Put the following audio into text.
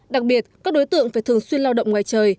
đặc biệt các đối tượng phải thường xuyên lao động ngoài trời